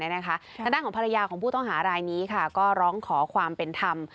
ทางด้านของภรรยาของผู้ต้องหารายนี้ก็ร้องขอความเป็นธรรม